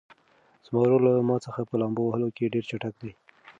زما ورور له ما څخه په لامبو وهلو کې ډېر چټک دی.